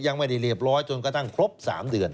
ยังไม่ได้เรียบร้อยจนกระทั่งครบ๓เดือน